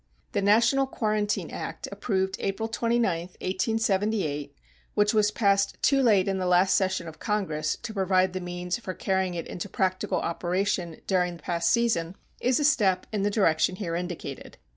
The national quarantine act approved April 29, 1878, which was passed too late in the last session of Congress to provide the means for carrying it into practical operation during the past season, is a step in the direction here indicated.